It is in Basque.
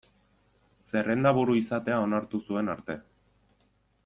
Zerrendaburu izatea onartu zuen arte.